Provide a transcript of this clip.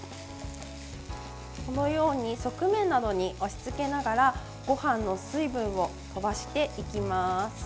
このように側面などに押しつけながらごはんの水分をとばしていきます。